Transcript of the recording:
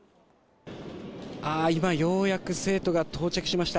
ようやく生徒が到着しました。